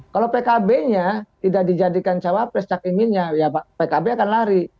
kalau pkbnya tidak dijadikan capres cakiminnya ya pak pkb akan lari